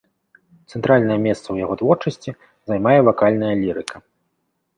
Цэнтральнае месца ў яго творчасці займае вакальная лірыка.